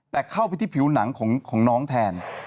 แต่เข้าไปที่ผิวหนังของน้องแทน